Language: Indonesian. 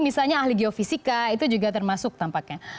misalnya ahli geofisika itu juga termasuk tampaknya